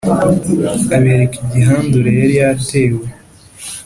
Abereka igihandure yari yatewe